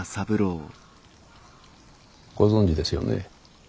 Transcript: ご存じですよね？